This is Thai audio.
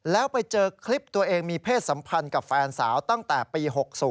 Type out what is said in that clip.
แล้วไปเจอคลิปตัวเองมีเพศสัมพันธ์กับแฟนสาวตั้งแต่ปี๖๐